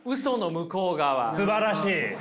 すばらしい！